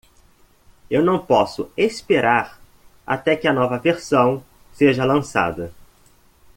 Eu não posso esperar até que a nova versão seja lançada.